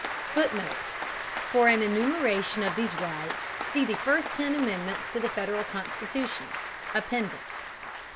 [Footnote: For an enumeration of these rights, see the first ten Amendments to the Federal Constitution, Appendix.